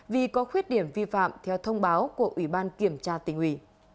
vì có khuyết điểm vi phạm theo thông báo của ủy ban kiểm tra tỉnh ủy